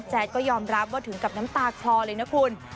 แจ๊ดก็ยอมรับว่าถึงกับน้ำตาคลอเลยนะคุณ